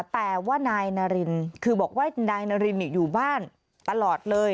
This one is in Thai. แต่ว่านายนารินคือบอกว่านายนารินอยู่บ้านตลอดเลย